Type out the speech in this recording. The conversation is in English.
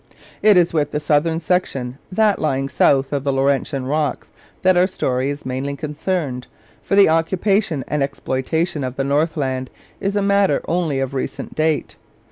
It is with the southern section, that lying south of the Laurentian rocks, that our story is mainly concerned, for the occupation and exploitation of the northland is a matter only of recent date.